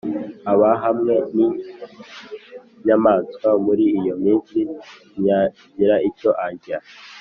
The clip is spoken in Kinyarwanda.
, aba hamwe n’inyamaswa.” “Mur’iyo minsi ntiyagira icyo arya